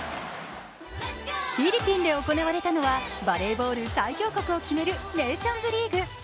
フィリピンで行われたのはバレーボール最強国を決めるネーションズリーグ。